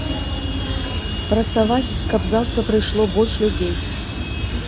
Працаваць, каб заўтра прыйшло больш людзей.